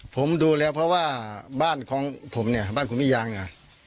ผมดูแล้วเพราะว่าบ้านของผมเนี่ยบ้านคุณมิยางเนี่ย